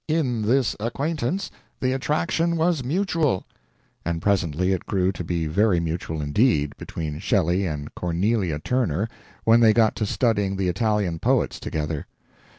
"In this acquaintance the attraction was mutual" and presently it grew to be very mutual indeed, between Shelley and Cornelia Turner, when they got to studying the Italian poets together.